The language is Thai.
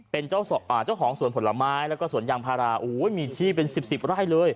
เป็นเจ้าของสวนผลไม้แล้วก็สวนยางพาราโอ้โหมีที่เป็นสิบสิบไร่เลย